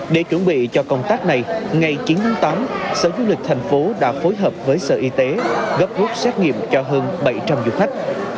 để chuẩn bị cho công tác này ngày chín tháng tám sở du lịch thành phố đã phối hợp với sở y tế gấp rút xét nghiệm cho hơn bảy trăm linh du khách